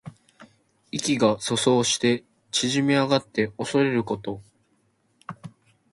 意気が阻喪して縮み上がっておそれること。